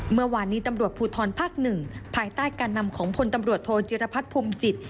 เมื่อวานนี้ตำรวจภูทรภาค๑ภายใต้การนำของพลตำรวจโทจิรพัฒน์ภูมิจิต